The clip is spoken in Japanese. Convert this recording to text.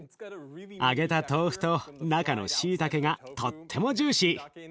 揚げた豆腐と中のしいたけがとってもジューシー。